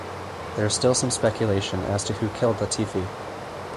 There is still some speculation as to who killed Latifi.